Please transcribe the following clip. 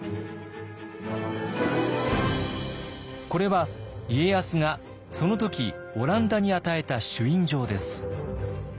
これは家康がその時オランダに与えた朱印状です。